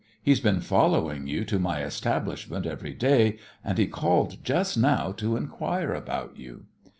He's been following you to my establishment every day, and he called just now to inquire about you."